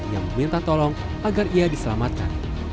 yang meminta tolong agar ia diselamatkan